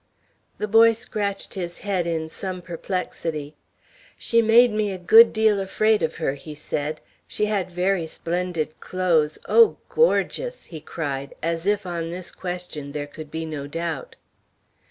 The boy scratched his head in some perplexity. "She made me a good deal afraid of her," he said. "She had very splendid clothes; oh, gorgeous!" he cried, as if on this question there could be no doubt.